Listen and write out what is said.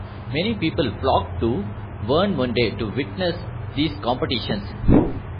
Many people flock to Warnemunde to witness these competitions.